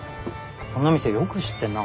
こんな店よく知ってんな。